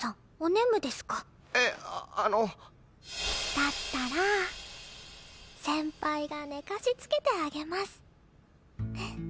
だったら先輩が寝かしつけてあげます。